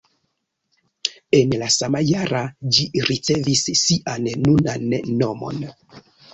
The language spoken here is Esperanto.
En la sama jara ĝi ricevis sian nunan nomon.